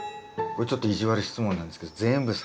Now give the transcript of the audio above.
これちょっと意地悪質問なんですけど全部サトイモです。